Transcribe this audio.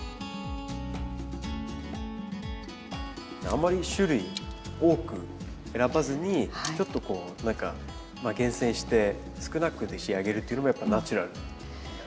あまり種類多く選ばずにちょっとこう何か厳選して少なくで仕上げるっていうのもやっぱナチュラルな？